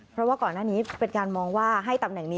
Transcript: เพราะว่าก่อนหน้านี้เป็นการมองว่าให้ตำแหน่งนี้